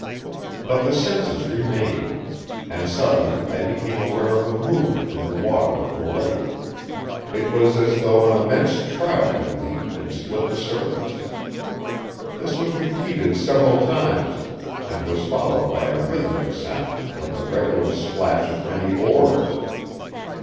But the senses remain; and suddenly I became aware of a movement in the water of the lake. It was as though an immense trout had leaped and split the surface. This was repeated several times, and was followed by a rhythmic sound like the regular splash of many oars.